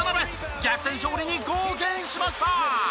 逆転勝利に貢献しました！